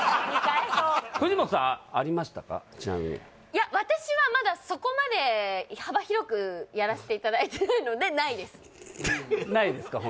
ちなみにいや私はまだそこまで幅広くやらせていただいてないのでないですないですか？